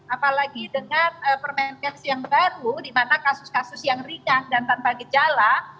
apalagi dengan permenkes yang baru di mana kasus kasus yang ringan dan tanpa gejala